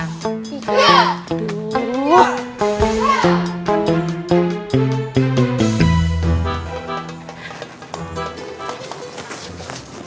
tiga dua satu